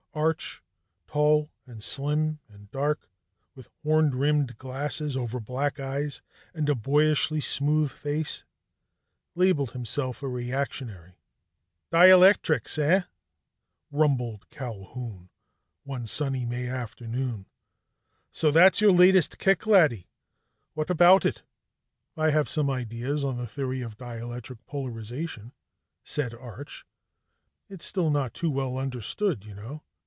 Arch, tall and slim and dark, with horn rimmed glasses over black eyes and a boyishly smooth face, labelled himself a reactionary. "Dielectrics, eh?" rumbled Culquhoun one sunny May afternoon. "So that's your latest kick, laddie. What about it?" "I have some ideas on the theory of dielectric polarization," said Arch. "It's still not too well understood, you know."